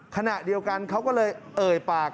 ขณะเดียวกันเขาก็เลยเอ่ยปาก